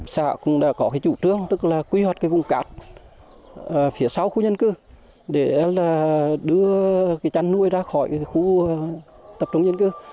xã cũng đã có chủ trương tức là quy hoạch vùng cát phía sau khu nhân cư để đưa chăn nuôi ra khỏi khu tập trung nhân cư